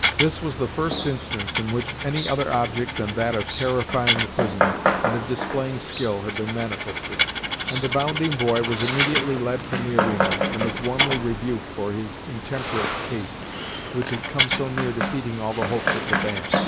This was the first instance in which any other object than that of terrifying the prisoner, and of displaying skill had been manifested, and the Bounding Boy was immediately led from the arena, and was warmly rebuked for his intemperate haste, which had come so near defeating all the hopes of the band.